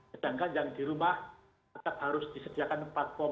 sedangkan yang di rumah tetap harus disediakan platformnya tanpa diskriminasi